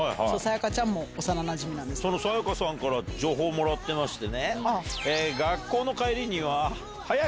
そのサヤカさんから情報をもらってまして。